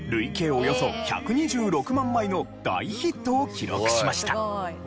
およそ１２６万枚の大ヒットを記録しました。